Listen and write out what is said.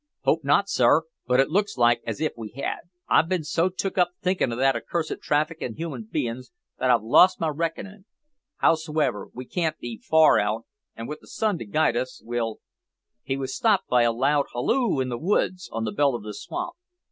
"Hope not sir, but it looks like as if we had." "I've bin so took up thinkin' o' that accursed traffic in human bein's that I've lost my reckonin'. Howsever, we can't be far out, an', with the sun to guide us, we'll " He was stopped by a loud halloo in the woods, on the belt of the swamp.